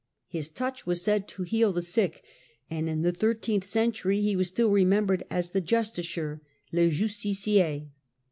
His touch was said to heal the sick, and in the thirteenth century he was still remem bered as the " Justiciar " (Le Justicier).